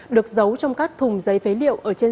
được giấu trong các thùng giấy phế liệu ở trên sàn đường